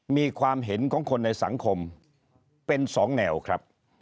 มีความเห็นของคนในสังคมเป็น๒แนวครับ